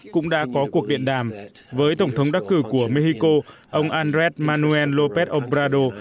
cũng đã có cuộc điện đàm với tổng thống đắc cử của mexico ông andres manuel lópet obrador